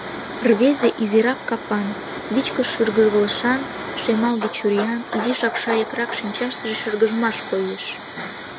Рвезе изирак капан, вичкыж шӱргывылышан, шемалге чуриян, изишак шайыкрак шинчаштыже шыргыжмаш коеш.